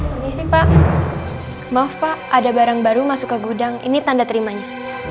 habis pak maaf pak ada barang baru masuk ke gudang ini tanda terimanya